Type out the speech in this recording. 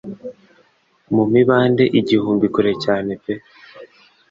Mu mibande igihumbi kure cyane pe